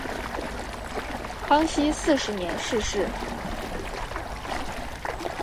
康熙四十年逝世。